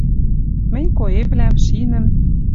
Мӹнь коэвлӓм, шинӹм.